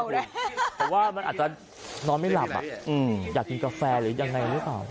เพราะว่ามันอาจจะนอนไม่หลับอยากกินกาแฟหรือยังไงหรือเปล่า